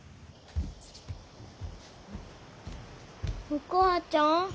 お母ちゃん。